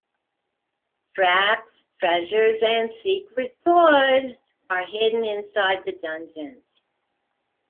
Traps, treasures and secret doors are hidden inside the dungeons.